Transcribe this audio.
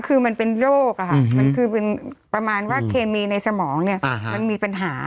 คือมันเป็นโรคมันคือประมาณว่าเคมีในสมองเนี่ยมันมีปัญหา